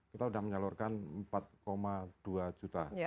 kita sudah menyalurkan empat dua juta